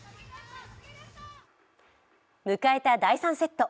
迎えた第３セット